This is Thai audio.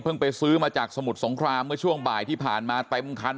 ไปซื้อมาจากสมุทรสงครามเมื่อช่วงบ่ายที่ผ่านมาเต็มคัน